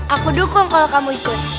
aku dukung kalau kamu ikut